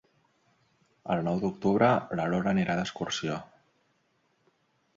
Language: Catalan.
El nou d'octubre na Lola irà d'excursió.